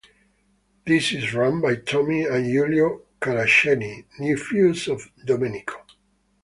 This is run by Tommy and Giulio Caraceni, nephews of Domenico.